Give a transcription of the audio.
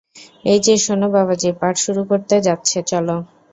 এই যে শোনো বাবাজি পাঠ শুরু করতে যাচ্ছে, চলো।